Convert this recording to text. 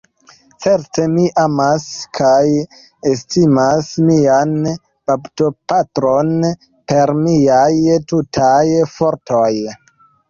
Certe mi amas kaj estimas mian baptopatron per miaj tutaj fortoj.